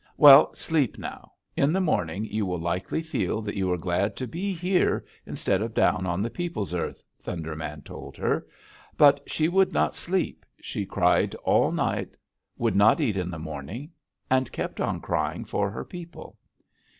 "'Well, sleep now. In the morning you will likely feel that you are glad to be here, instead of down on the people's earth,' Thunder Man told her. But she would not sleep; she cried all night; would not eat in the morning, and kept on crying for her people.